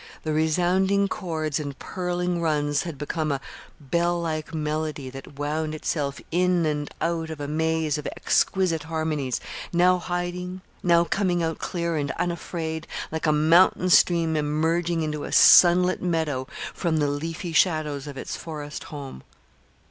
The resounding chords and purling runs had become a bell like melody that wound itself in and out of a maze of exquisite harmonies, now hiding, now coming out clear and unafraid, like a mountain stream emerging into a sunlit meadow from the leafy shadows of its forest home.